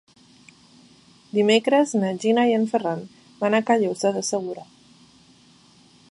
Dimecres na Gina i en Ferran van a Callosa de Segura.